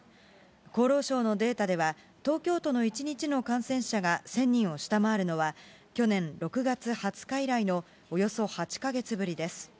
厚労省のデータでは、東京都の１日の感染者が１０００人を下回るのは、去年６月２０日以来のおよそ８か月ぶりです。